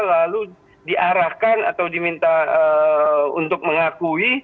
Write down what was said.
lalu diarahkan atau diminta untuk mengakui